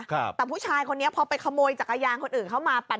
แต่ผู้ชายคนนี้พอไปขโมยจักรยานคนอื่นเข้ามาปั่น